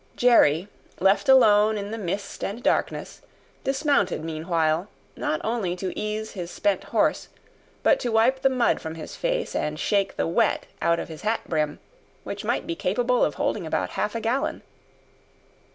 Jerry, left alone in the mist and darkness, dismounted meanwhile, not only to ease his spent horse, but to wipe the mud from his face, and shake the wet out of his hat brim, which might be capable of holding about half a gallon.